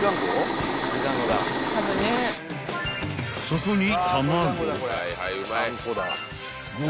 ［そこに］